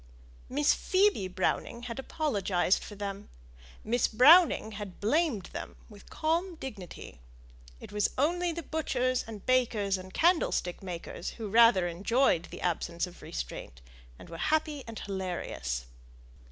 Miss Phoebe Browning had apologized for them Miss Browning had blamed them with calm dignity; it was only the butchers and bakers and candlestick makers who rather enjoyed the absence of restraint, and were happy and hilarious.